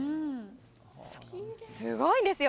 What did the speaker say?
すごいんですよ。